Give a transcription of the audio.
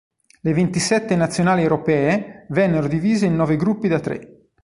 Le ventisette Nazionali europee vennero divise in nove gruppi da tre.